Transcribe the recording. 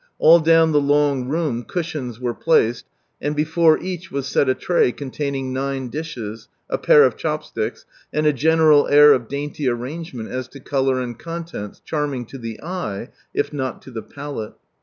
Ail down the long room cushions were placed, and before each was set a tray containing nine dishes, a pair of chopsticks, and a general air of dainty arrangement as to colour and con tents, charming to the eye, if not to the palate.